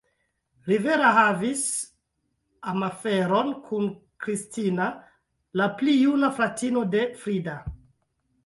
Rivera havis amaferon kun Cristina, la pli juna fratino de Frida.